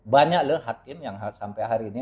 banyak loh hakim yang sampai hari ini